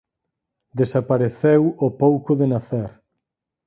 Desapareceu ao pouco de nacer.